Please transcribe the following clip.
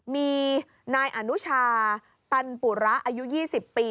มีนายอนุชาตันปุระอายุ๒๐ปี